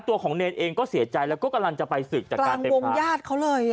ตัวของเนรเองก็เสียใจแล้วก็กำลังจะไปศึกจากการเป็นวงญาติเขาเลย